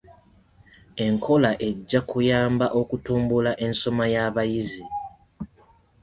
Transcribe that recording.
Enkola ejja kuyamba okutumbula ensoma y'abayizi.